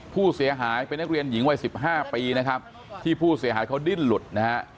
ผู้เสียหายเป็นนักเรียนหญิงวัยสิบห้าปีนะครับที่ผู้เสียหายเขาดิ้นหลุดนะฮะ